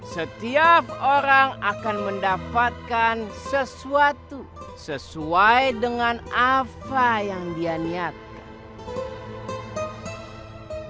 setiap orang akan mendapatkan sesuatu sesuai dengan apa yang dia niatkan